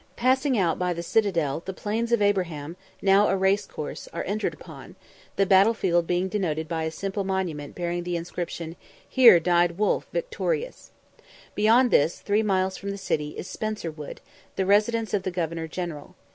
_ Passing out by the citadel, the Plains of Abraham, now a race course, are entered upon; the battle field being denoted by a simple monument bearing the inscription "Here died Wolfe victorious." Beyond this, three miles from the city, is Spencer Wood, the residence of the Governor General.